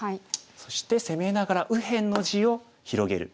そして攻めながら右辺の地を広げる。